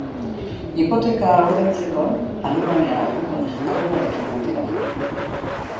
Hipoteka ordaintzeko, Alemaniara joango da arrebarekin batera.